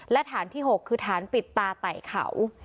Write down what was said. และฐานที่๖คือฐานปิดตาไต่เขา